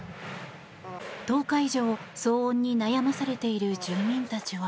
１０日以上、騒音に悩まされている住民たちは。